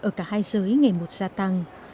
ở cả hai giới ngày một gia tăng